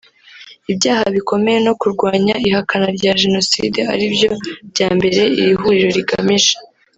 ibyaha bikomeye no kurwanya ihakana rya jenoside ari byo bya mbere iri huriro rigamije